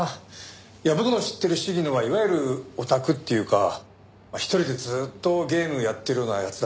僕の知ってる鴫野はいわゆるオタクっていうか一人でずっとゲームやってるような奴だったのに。